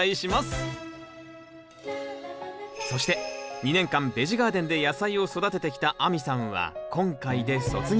そして２年間ベジ・ガーデンで野菜を育ててきた亜美さんは今回で卒業。